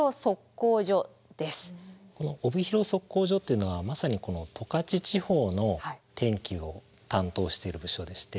この帯広測候所というのはまさに十勝地方の天気を担当している部署でして。